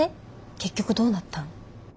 結局どうなったん？